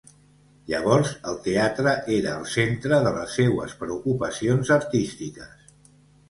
Llavors, el teatre era el centre de les seues preocupacions artístiques.